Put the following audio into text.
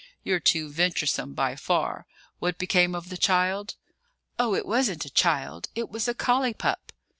You're too venturesome by far. What became of the child?" "Oh, it wasn't a child; it was a collie pup."